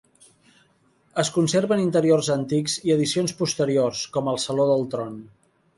Es conserven interiors antics i addicions posteriors, com el saló del tron.